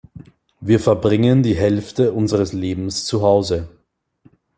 Wir verbringen die Hälfte unseres Lebens zu Hause.